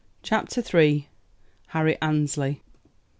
CHAPTER III. HARRY ANNESLEY.